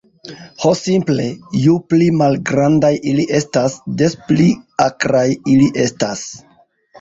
Ho simple, ju pli malgrandaj ili estas, des pli akraj ili estas.